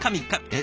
え？